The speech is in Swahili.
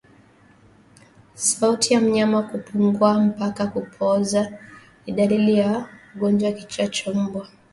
Sauti ya mnyama kupungua mpaka kupooza ni dalili ya ugonjwa wa kichaa cha mbwa